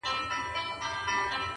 صادق چلند اعتماد ژوروي!